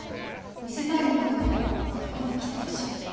「見せたいものがあるから学校に来てほしい」って。